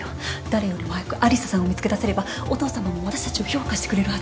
誰よりも早く有沙さんを見つけ出せればお父さまも私たちを評価してくれるはず。